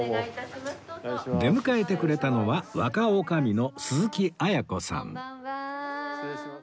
出迎えてくれたのは若女将の鈴木文子さん